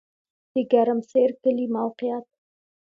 د ګرم سر کلی موقعیت